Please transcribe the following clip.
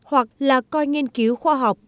hoặc là coi nghiên cứu khoa học